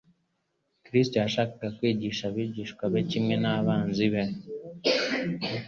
Kristo yashakaga kwigisha abigishwa be kimwe n'abanzi be